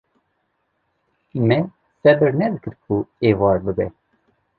Me sebir nedikir ku êvar bibe